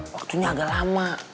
waktunya agak lama